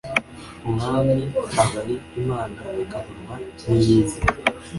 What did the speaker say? umwami aba ari imana akabonwa n’iyindi